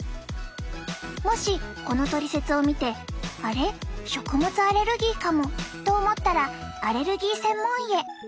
もしこのトリセツを見て「あれ？食物アレルギーかも」と思ったらアレルギー専門医へ。